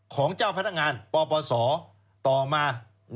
ของเจ้าพนักงานปปศต่อมา